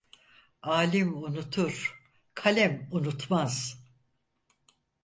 Alim unutur, kalem unutmaz!